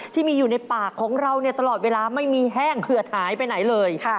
ที่มีอยู่ในปากของเราตลอดเวลาไม่มีแห้งเขือดหายไปไหนเลย